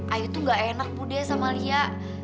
ayu tuh enggak enak bu de sama lia